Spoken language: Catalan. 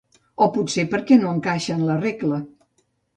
O potser perquè no encaixa en la regla.